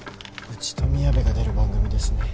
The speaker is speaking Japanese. うちとみやべが出る番組ですね。